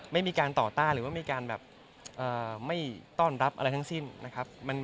ไม่มีการต่อต้านหรือว่ามีการแบบไม่ต้อนรับอะไรทั้งสิ้นนะครับ